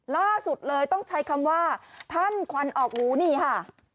ล่าสุดเลยต้องใช้คำว่าท่านควันออกหูนี่ค่ะ